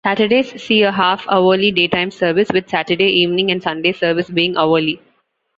Saturdays see a half-hourly daytime service, with Saturday evening and Sunday service being hourly.